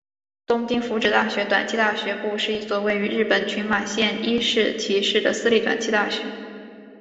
东京福祉大学短期大学部是一所位于日本群马县伊势崎市的私立短期大学。